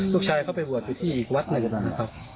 ลูกชายเขาไปหวัดอยู่ที่อีกวัดนะครับ